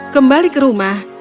kembali ke rumah